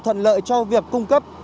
thuận lợi cho việc cung cấp